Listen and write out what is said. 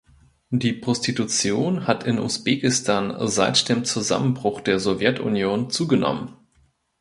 Die Prostitution hat in Usbekistan seit dem Zusammenbruch der Sowjetunion zugenommen.